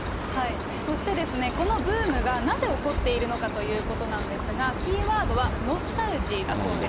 そしてですね、このブームがなぜ起こっているのかということなんですが、キーワードはノスタルジーだそうです。